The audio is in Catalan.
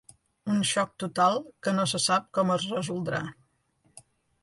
Un xoc total que no sé sap com es resoldrà.